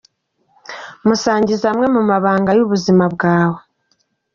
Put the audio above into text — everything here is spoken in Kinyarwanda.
Musangize amwe mu mabanga y’ubuzima bwawe.